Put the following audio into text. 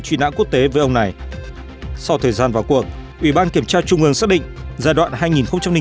truy nã quốc tế với ông này sau thời gian vào cuộc ủy ban kiểm tra trung ương xác định giai đoạn hai nghìn bảy hai nghìn một mươi ba